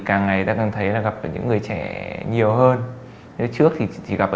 càng ngày ta cảm thấy là gặp những người trẻ nhiều hơn nếu trước thì chỉ gặp ở